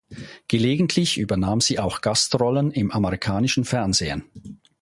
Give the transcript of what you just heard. Gelegentlich übernahm sie auch Gastrollen im amerikanischen Fernsehen.